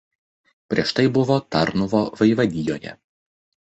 Prieš tai buvo Tarnuvo vaivadijoje.